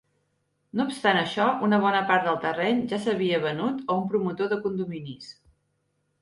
No obstant això, una bona part del terreny ja s'havia venut a un promotor de condominis.